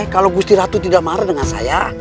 kalau gusti ratu tidak marah dengan saya